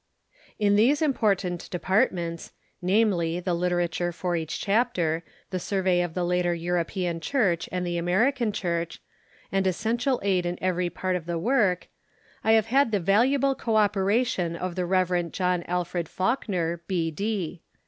In these important departments — namely, the literature for each chapter, the survey of the later European Church and the American Church, and essential aid in every part of the Avork — I have had the valuable co operation of the Rev. John Alfred Faulkner, B.D.